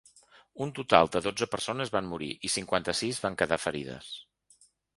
Un total de dotze persones van morir i cinquanta-sis van quedar ferides.